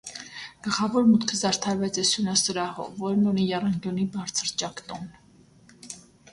Գլխավոր մուտքը զարդարված է սյունասրահով, որն ունի եռանկյունի բարձր ճակտոն։